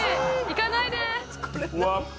行かないで！